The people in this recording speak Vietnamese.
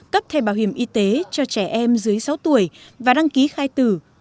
cấp thẻ bảo hiểm y tế cho trẻ em dưới sáu tuổi và đăng ký khai tử